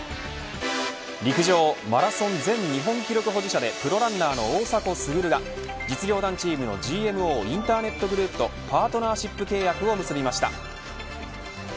陸上、マラソン前日本記録保持者でプロランナーの大迫傑が実業団チームのＧＭＯインターネットグループとパートナーシップ契約を結びました。